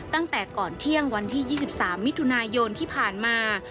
ตั้งแต่ก่อนเที่ยงวันที่๒๓มิถุนายนที่ผ่านมา